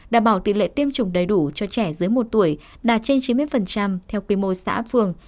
đảm bảo tỷ lệ tiêm chủng đầy đủ cho trẻ dưới một tuổi đạt trên chín mươi theo quy mô xã phường